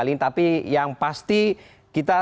terhubung dengan kita